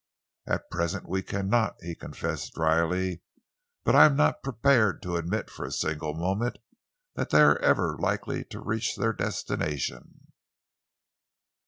"At present we cannot," he confessed drily, "but I am not prepared to admit for a single moment that they are ever likely to reach their destination."